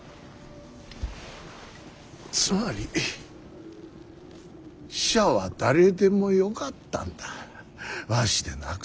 つまり使者は誰でもよかったんだわしでなくても。